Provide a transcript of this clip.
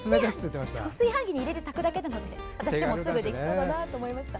炊飯器に入れて炊くだけなので私でもすぐできそうだなと思いました。